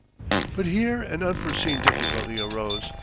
But here an unforeseen difficulty arose.